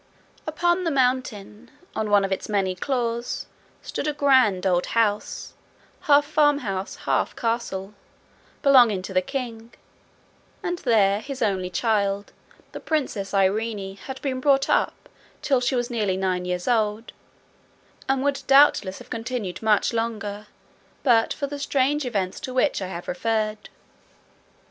Upon the mountain, on one of its many claws, stood a grand old house, half farmhouse, half castle, belonging to the king; and there his only child, the Princess Irene, had been brought up till she was nearly nine years old, and would doubtless have continued much longer, but for the strange events to which I have referred.